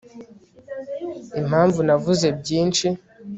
impamvu navuze byinshi